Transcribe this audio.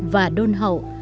và đôn hậu